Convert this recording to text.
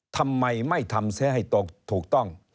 ทำไมไม่ทำเสียให้ตกถูกต้อง